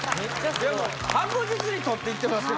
でも確実にとっていってますよ